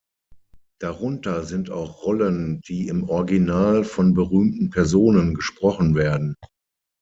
Darunter sind auch Rollen, die im Original von berühmten Personen gesprochen werden.